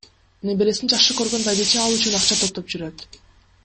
Небересин жакшы көргөн байбиче ал үчүн акча топтоп жүрөт.